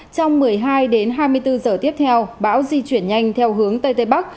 trong một mươi hai đến hai mươi bốn giờ tiếp theo bão di chuyển nhanh theo hướng tây tây bắc